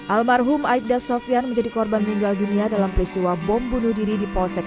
almarhum aibda sofian menjadi korban meninggal dunia dalam peristiwa bom bunuh diri di polsek